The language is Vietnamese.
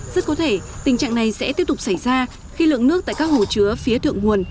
rất có thể tình trạng này sẽ tiếp tục xảy ra khi lượng nước tại các hồ chứa phía thượng nguồn